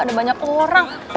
ada banyak orang